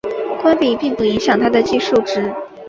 关闭并不影响它的计数值。